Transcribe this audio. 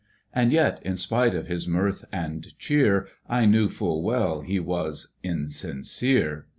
And yet, in spite of his mirth and cheer, I knew full well he was insincere.